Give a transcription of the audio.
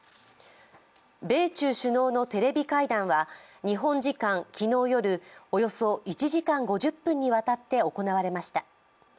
米中首脳のテレビ会談は日本時間、昨日夜およそ１時間５０分にわたって行われました。